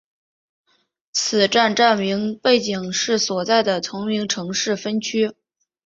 此站站名背景是所在的同名城市分区。